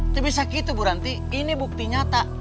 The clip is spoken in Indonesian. tapi bisa gitu bu ranti ini bukti nyata